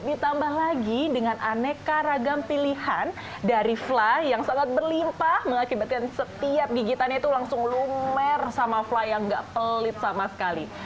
ditambah lagi dengan aneka ragam pilihan dari fly yang sangat berlimpah mengakibatkan setiap gigitannya itu langsung lumer sama fly yang gak pelit sama sekali